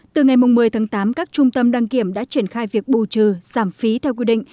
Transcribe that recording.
từ ngày một mươi tháng tám các trung tâm đăng kiểm đã triển khai việc bù trừ giảm phí theo quy định